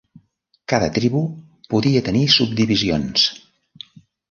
Cada tribu podia tenir subdivisions.